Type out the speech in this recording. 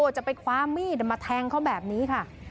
จะไปคว้ามีดมาแทงเขาแบบนี้ค่ะ